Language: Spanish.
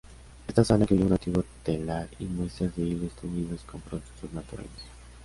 Esta sala incluye un antiguo telar y muestras de hilos teñidos con productos naturales.